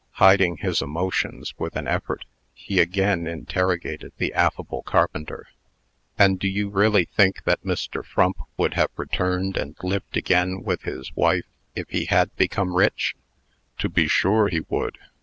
Hiding his emotions with an effort, he again interrogated the affable carpenter: "And do you really think that Mr. Frump would have returned, and lived again with his wife, if he had become rich?" "To be sure he would.